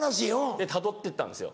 でたどってったんですよ